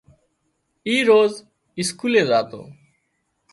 اِي روز اسڪولي زاتو